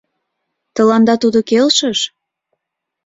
— Тыланда тудо келшыш?